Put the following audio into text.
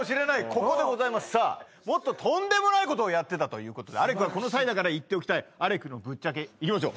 ここでございますさあもっととんでもないことをやってたということでアレクがこの際だから言っておきたいアレクのぶっちゃけいきますよ